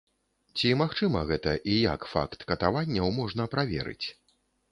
Ці магчыма гэта і як факт катаванняў можна праверыць?